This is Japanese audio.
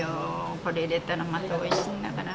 これ入れたらまたおいしいんだから。